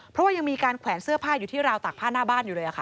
เพราะว่ายังมีการแขวนเสื้อผ้าอยู่ที่ราวตากผ้าหน้าบ้านอยู่เลยค่ะ